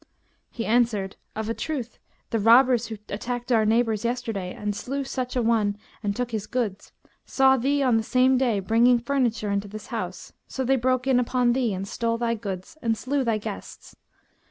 He answered, 'Of a truth the robbers who attacked our neighbours yesterday and slew such an one and took his goods, saw thee on the same day bringing furniture into this house; so they broke in upon thee and stole thy goods and slew thy guests.'